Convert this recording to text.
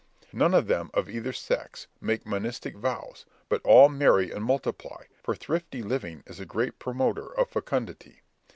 None of them of either sex make monastic vows, but all marry and multiply, for thrifty living is a great promoter of fecundity.